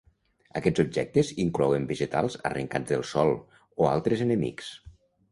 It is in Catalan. Aquests objectes inclouen vegetals arrencats del sòl, o altres enemics.